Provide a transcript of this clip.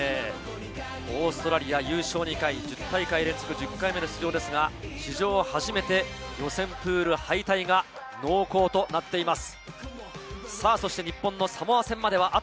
オーストラリア優勝２回、１０大会連続１０回目の出場ですが、オーストラリアは初めて予選プール敗退が濃厚となっています。